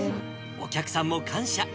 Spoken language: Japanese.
お客さんも感謝。